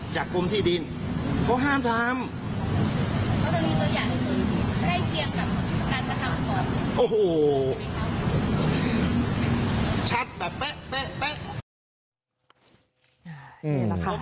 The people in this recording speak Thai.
จากกรมที่ดินเขาห้ามทำ